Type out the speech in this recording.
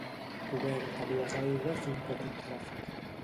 Coberta a dues aigües i un petit ràfec.